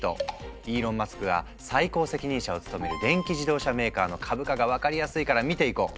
イーロン・マスクが最高責任者を務める電気自動車メーカーの株価が分かりやすいから見ていこう。